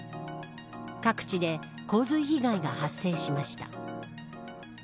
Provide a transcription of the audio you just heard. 各地で洪水被害が発生しました。